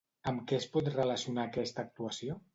Amb què es pot relacionar aquesta actuació?